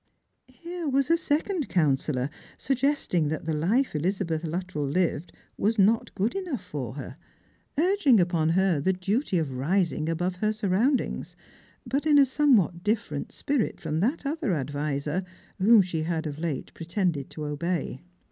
Here was a second counsellor suggesting that the life Eliza beth Luttrell lived was not good enough for her, urging upon her the duty of rising above her surroundings; but in a some what different spirit from that other adviser, whom she had of late pretended to obey.